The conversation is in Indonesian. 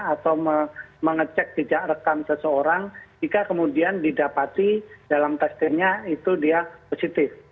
atau mengecek jejak rekam seseorang jika kemudian didapati dalam testingnya itu dia positif